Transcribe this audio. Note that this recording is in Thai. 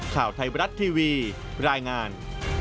ข่าวไทยบรัฐทีวีรายงาน